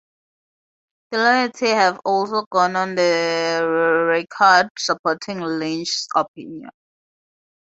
Deloitte have also gone on the record supporting Lynch's opinion.